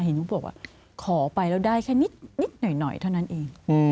เขาบอกว่าขอไปแล้วได้แค่นิดหน่อยเท่านั้นเอง